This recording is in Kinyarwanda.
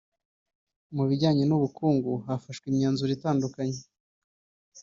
Mu bijyanye n’ubukungu hafashwe imyanzuro itandukanye